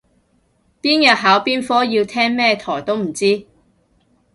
邊日考邊科要聽咩台都唔知